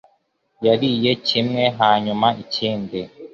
Yariye kimwe, hanyuma ikindi.